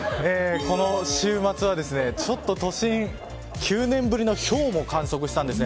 この週末は、ちょっと都心９年ぶりのひょうを観測したんですね。